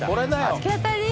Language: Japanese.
突き当たり？